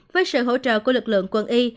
với sự hỗ trợ của lực lượng quân y